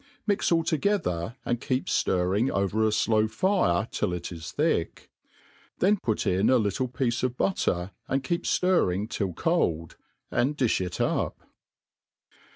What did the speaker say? Mix all together, and keep ftrrritig over a flow fire till it is thick ; rhen put in a little piece of b«tt^> ^ keep ftfrimg till cold^ and diih it up.